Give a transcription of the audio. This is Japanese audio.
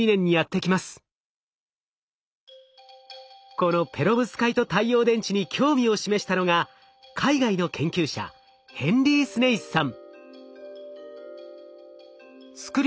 このペロブスカイト太陽電池に興味を示したのが海外の研究者ヘンリー・スネイスさん。